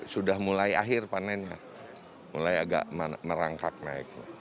sudah mulai akhir panennya mulai agak merangkak naik